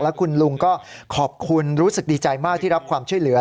คุณลุงก็ขอบคุณรู้สึกดีใจมากที่รับความช่วยเหลือ